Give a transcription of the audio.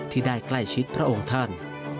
ที่ได้ใกล้ชิดพระองค์ท่าน